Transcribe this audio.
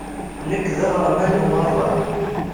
Nekk d aɣerman n umaḍal.